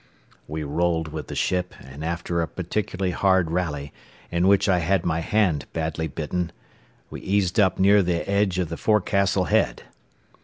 We rolled with the ship and after a particularly hard rally, in which I had my hand badly bitten, we eased up near the edge of the forecastle head.